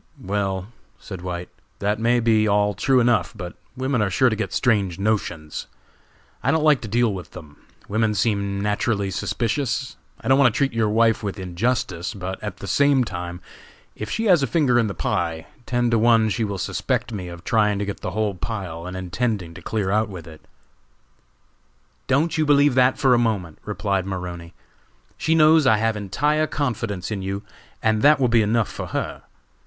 "Well," said White, "that may be all true enough, but women are sure to get strange notions. I don't like to deal with them; women seem naturally suspicious. I don't want to treat your wife with injustice, but at the same time if she has a finger in the pie, ten to one she will suspect me of trying to get the whole pile and intending to clear out with it." "Don't you believe that for a moment," replied Maroney. "She knows I have entire confidence in you, and that will be enough for her.